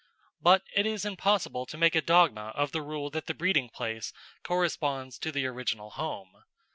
But it is impossible to make a dogma of the rule that the breeding place corresponds to the original home.